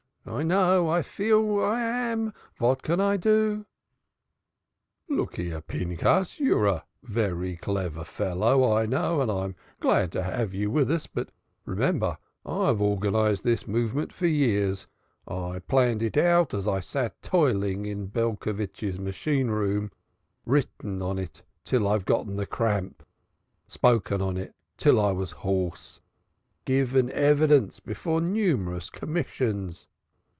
I know, I feel vat I am, vat I can do." "Look here, Pinchas, you're a very clever fellow, I know, and I'm very glad to have you with us but remember I have organized this movement for years, planned it out as I sat toiling in Belcovitch's machine room, written on it till I've got the cramp, spoken on it till I was hoarse, given evidence before innumerable Commissions.